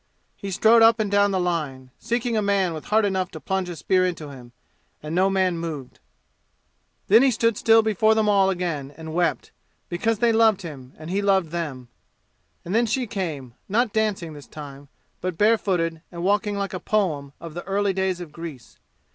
He strode up and down the line, seeking a man with heart enough to plunge a spear into him, and no man moved. Then he stood still before them all again and wept, because they loved him and he loved them. And then she came, not dancing this time, but barefooted and walking like a poem of the early days of Greece.